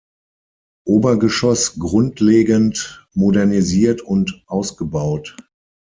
Obergeschoss grundlegend modernisiert und ausgebaut.